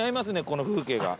この風景が。